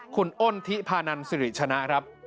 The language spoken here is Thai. คุณอ้นทิพานันสิริชนะครับ